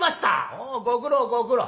「おうご苦労ご苦労。